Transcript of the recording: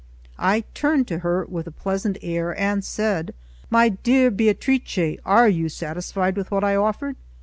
I turned to her with a pleasant air and said: "My dear Beatrice, are you satisfied with what I offered?"